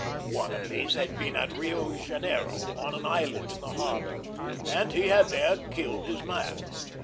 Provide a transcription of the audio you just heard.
One of these had been at Rio Janeiro, on an island in the harbor, and he had there killed his man.